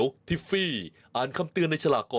สวัสดีค่ะพบกับช่วงนี้สวัสดีค่ะ